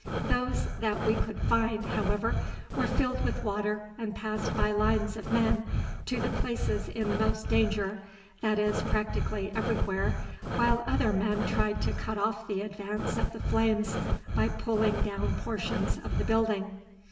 Those that we could find, however, were filled with water and passed by lines of men to the places in most danger—that is, practically everywhere—while other men tried to cut off the advance of the flames by pulling down portions of the building.